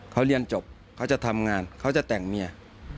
เขาเรียนจบเขาจะทำงานเขาจะแต่งเมีย